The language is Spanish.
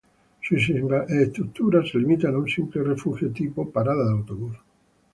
Sus infraestructuras se limitan a un simple refugio tipo parada de autobús.